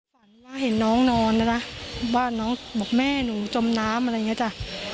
ฝันว่าเห็นน้องนอนนะจ๊ะว่าน้องบอกแม่หนูจมน้ำอะไรอย่างนี้จ้ะ